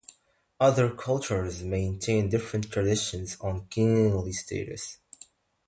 Other cultures maintain different traditions on queenly status.